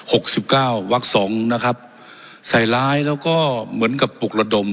สิบเก้าวักสองนะครับใส่ร้ายแล้วก็เหมือนกับปลุกระดม